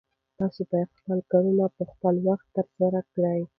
تاسو باید خپل کارونه په خپل وخت ترسره کړئ.